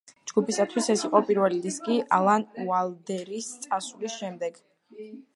ჯგუფისათვის ეს იყო პირველი დისკი ალან უაილდერის წასვლის შემდეგ.